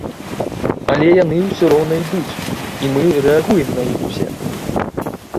Але яны ўсё роўна ідуць, і мы рэагуем на іх усе.